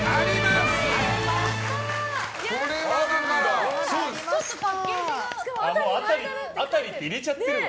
しかも「あたり」って入れちゃってるよ。